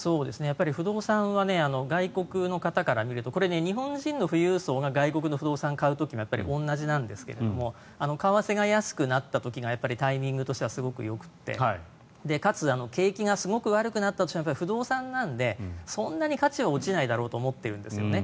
不動産は外国の方から見ると富裕層が外国の不動産を買う時も同じなんですけど為替が安くなった時がタイミングとしてはすごくよくてかつ、景気がすごく悪くなったとしても不動産なのでそんなに価値は落ちないだろうと思っているんですよね。